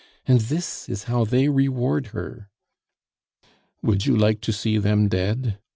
And this is how they reward her!" "Would you like to see them dead?"